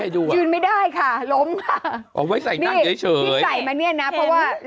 ยืนไม่ได้ค่ะล้มอะอ๋อเว้ยใส่นั่งแย้งเฉยผ้านี้เนี้ยนะเพราะว่าร้านเป็นเพื่อน